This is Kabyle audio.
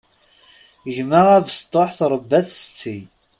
Gma abesṭuḥ tṛebba-t setti.